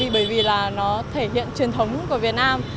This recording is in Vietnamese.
bởi vì là nó thể hiện truyền thống của việt nam